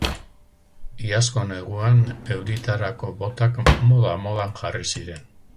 Iazko neguan euritarako botak moda-modan jarri ziren.